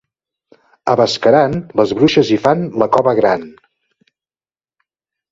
A Bescaran les bruixes hi fan la cova gran.